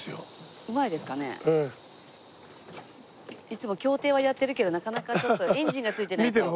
いつも競艇はやってるけどなかなかちょっとエンジンが付いてないと。